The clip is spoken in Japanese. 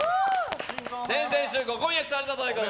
先々週、ご婚約されたと。